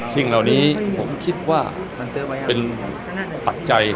สิ่งเหล่านี้ผมคิดว่าเป็นตัดใจ